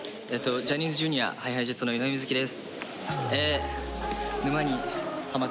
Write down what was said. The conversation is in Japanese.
ジャニーズＪｒ．ＨｉＨｉＪｅｔｓの井上瑞稀です。